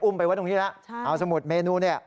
ไปไว้ตรงนี้แล้วเอาสมุดเมนูเนี่ย